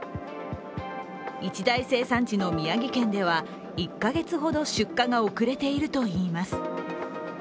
一大生産地の宮城県では１か月ほど出荷が遅れているといいます。